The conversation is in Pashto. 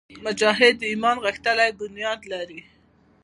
مجاهد د ایمان غښتلی بنیاد لري.